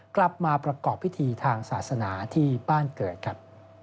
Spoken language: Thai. กลับมาประกอบพิธีทางศาสนาที่บ้านเกิดครับ